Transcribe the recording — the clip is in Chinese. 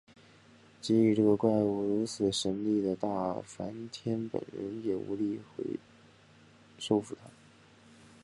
给予这个怪物如此神力的大梵天本人也无力收服它。